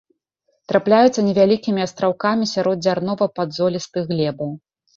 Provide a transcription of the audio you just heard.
Трапляюцца невялікімі астраўкамі сярод дзярнова-падзолістых глебаў.